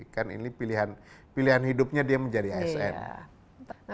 kan ini pilihan hidupnya dia menjadi asn